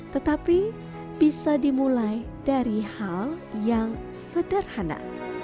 tetapi bisa dimulai dari hal yang sederhana